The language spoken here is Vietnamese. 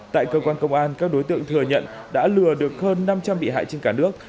tại cơ quan công an các đối tượng thừa nhận đã lừa được hơn năm trăm linh bị hại trên cả nước